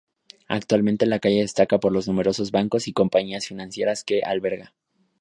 Actualmente, la calle destaca por los numerosos bancos y compañías financieras que alberga.